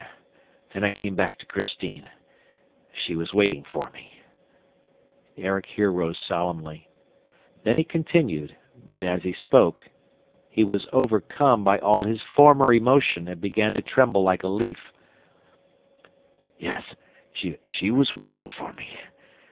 Then I came back to Christine, she was waiting for me." Erik here rose solemnly. Then he continued, but, as he spoke, he was overcome by all his former emotion and began to tremble like a leaf: "Yes, she was waiting for me